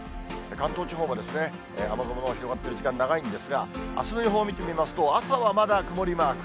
関東地方も雨雲の広がってる時間、長いんですが、あすの予報を見てみますと、朝はまだ曇りマーク。